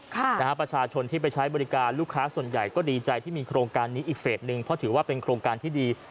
ค่ะนะฮะประชาชนที่ไปใช้บริการลูกค้าส่วนใหญ่ก็ดีใจที่มีโครงการนี้อีกเฟสหนึ่งเพราะถือว่าเป็นโครงการที่ดี